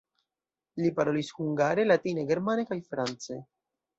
Li parolis hungare, latine, germane kaj france.